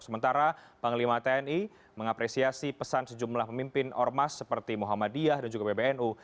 sementara panglima tni mengapresiasi pesan sejumlah pemimpin ormas seperti muhammadiyah dan juga pbnu